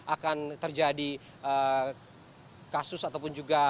akan terjadi kasus ataupun juga